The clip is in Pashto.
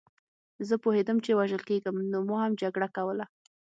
زه پوهېدم چې وژل کېږم نو ما هم جګړه کوله